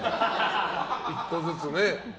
１個ずつね。